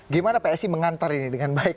gimana psi mengantar ini dengan baik